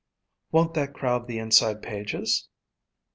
"Won't that crowd the inside pages?"